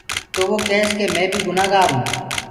تو وو ڪيس ڪي مي بي گُنآ هونٚ۔